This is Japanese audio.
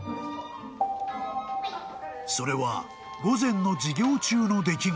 ［それは午前の授業中の出来事］